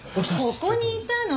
ここにいたの？